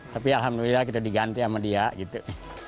tapi alhamdulillah kita diganti sama dia gitu